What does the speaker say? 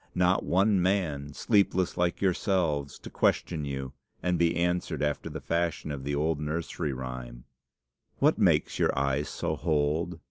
Not one man, sleepless like yourselves, to question you, and be answered after the fashion of the old nursery rhyme "'What makes your eyes so holed?